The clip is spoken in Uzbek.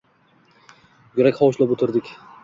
Yurak hovuchlab oʻtirdik.